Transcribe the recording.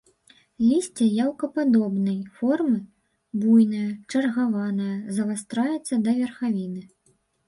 Лісце яйкападобнай формы, буйное, чаргаванае, завастраецца да верхавіны.